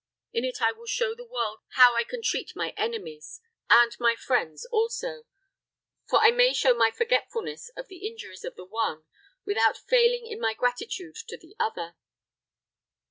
In it I will show the world how I can treat my enemies and my friends also; for I may show my forgetfulness of the injuries of the one, without failing in my gratitude to the other."